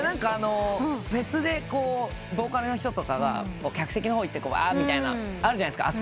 フェスでボーカルの人とか客席の方行ってわーみたいなあるじゃないですか。